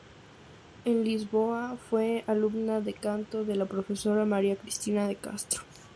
En Lisboa, fue alumna de canto de la profesora María Cristina de Castro.